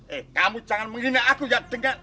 eh kamu jangan menghina aku ya